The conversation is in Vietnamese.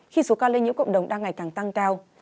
khi số cao lên những cộng đồng đang ngày càng tăng cao